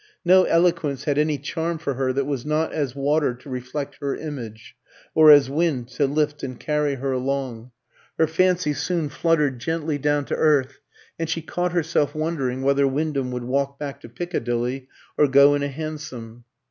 No eloquence had any charm for her that was not as water to reflect her image, or as wind to lift and carry her along. Her fancy soon fluttered gently down to earth, and she caught herself wondering whether Wyndham would walk back to Piccadilly or go in a hansom.